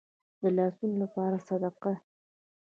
د لاسونو لپاره صدقه.